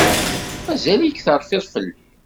Mazal-ik terfiḍ fell-i?